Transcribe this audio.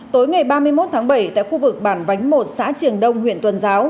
tối ngày ba mươi một tháng bảy tại khu vực bản vánh một xã triềng đông huyện tuần giáo